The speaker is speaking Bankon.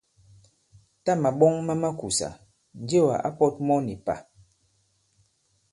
Tâ màɓɔŋ ma makùsà, Njewà ǎ pɔ̄t mɔ nì pà.